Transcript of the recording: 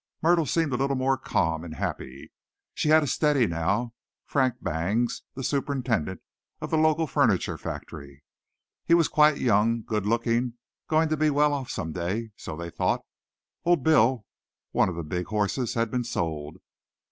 Myrtle seemed a little more calm and happy. She had a real "steady" now, Frank Bangs, the superintendent of the local furniture factory. He was quite young, good looking, going to be well off some day, so they thought. "Old Bill," one of the big horses, had been sold.